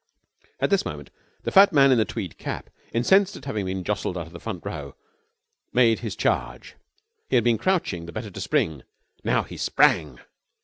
At this moment, the fat man in the tweed cap, incensed at having been jostled out of the front row, made his charge. He had but been crouching, the better to spring. Now he sprang.